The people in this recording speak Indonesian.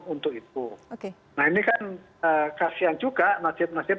untuk itu nah ini kan kasihan juga nasib nasib